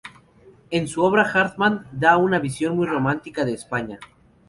En su obra Hardman da una visión muy romántica de España.